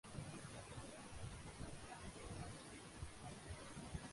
প্রীতম একটি মধ্যবিত্ত বাঙালি পরিবারে জন্মগ্রহণ করেন।